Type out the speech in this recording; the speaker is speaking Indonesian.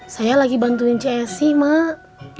saya lagi bantuin csc mak